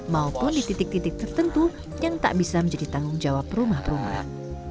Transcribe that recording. maupun di titik titik tertentu yang tak bisa menjadi tanggung jawab rumah perumahan